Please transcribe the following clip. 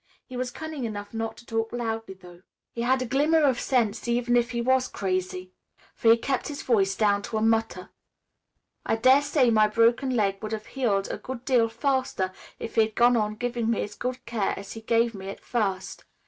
He was cunning enough not to talk loudly, though. He had a glimmer of sense even if he was crazy, for he kept his voice down to a mutter. I dare say my broken leg would have healed a good deal faster, if he had gone on giving me as good care as he gave me at first.